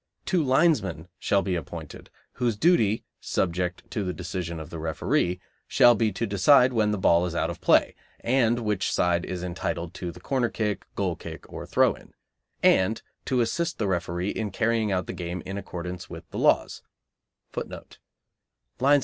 Two linesmen shall be appointed, whose duty (subject to the decision of the referee) shall be to decide when the ball is out of play, and which side is entitled to the corner kick, goal kick, or throw in; and to assist the referee in carrying out the game in accordance with the laws[D].